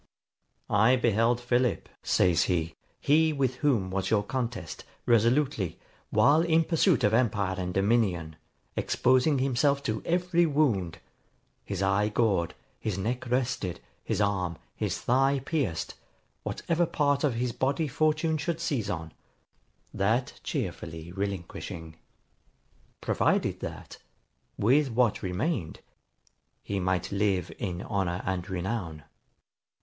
'I beheld Philip,' says he, 'he with whom was your contest, resolutely, while in pursuit of empire and dominion, exposing himself to every wound; his eye gored, his neck wrested, his arm, his thigh pierced, what ever part of his body fortune should seize on, that cheerfully relinquishing; provided that, with what remained, he might live in honour and renown.